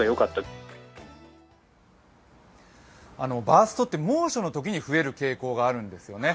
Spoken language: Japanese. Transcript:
バーストって、猛暑のときに増える傾向があるんですよね。